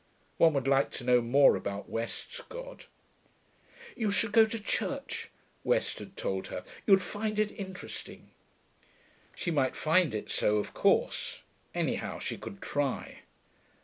One would like to know more about West's God. 'You should go to church,' West had told her. 'You'd find it interesting.' She might find it so, of course; anyhow, she could try.